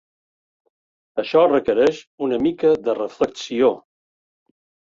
Això requereix una mica de reflexió.